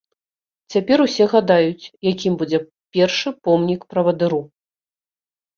Цяпер усе гадаюць, якім будзе першы помнік правадыру.